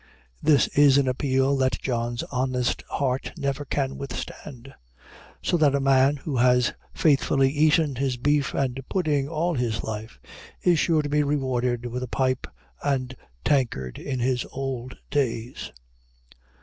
This is an appeal that John's honest heart never can withstand; so that a man, who has faithfully eaten his beef and pudding all his life, is sure to be rewarded with a pipe and tankard in his old days.